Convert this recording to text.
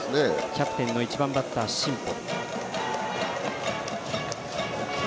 キャプテンの１番バッター、新保。